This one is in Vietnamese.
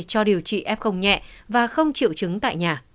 cho điều trị f nhẹ và không triệu chứng tại nhà